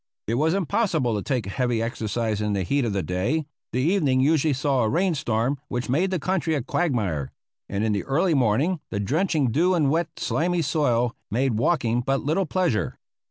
It was impossible to take heavy exercise in the heat of the day; the evening usually saw a rain storm which made the country a quagmire; and in the early morning the drenching dew and wet, slimy soil made walking but little pleasure.